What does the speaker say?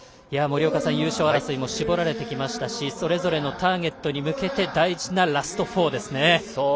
優勝争いも絞られてきたしそれぞれのターゲットに向けて大事なラスト４ですね。